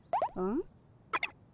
ん？